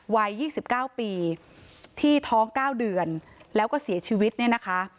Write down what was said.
วัย๒๙ปีที่ท้อง๙เดือนแล้วก็เสียชีวิตเนี่ยนะคะ